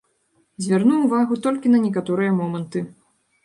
Звярну ўвагу толькі на некаторыя моманты.